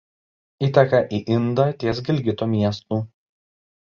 Įteka į Indą ties Gilgito miestu.